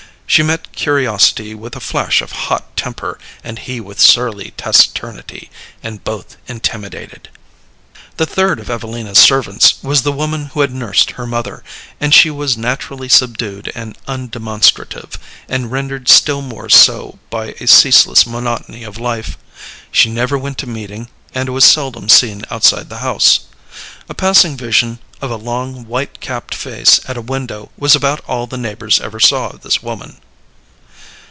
She met curiosity with a flash of hot temper, and he with surly taciturnity, and both intimidated. The third of Evelina's servants was the woman who had nursed her mother, and she was naturally subdued and undemonstrative, and rendered still more so by a ceaseless monotony of life. She never went to meeting, and was seldom seen outside the house. A passing vision of a long white capped face at a window was about all the neighbors ever saw of this woman.